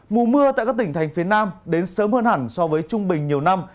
mùa mưa tại các tỉnh thành phía nam đến sớm hơn hẳn so với trung bình nhiều năm